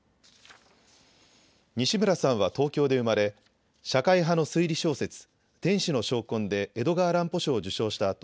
西村さんは東京で生まれ社会派の推理小説、天使の傷痕で江戸川乱歩賞を受賞した